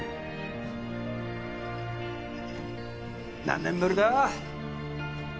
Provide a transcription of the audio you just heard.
何年ぶりだ？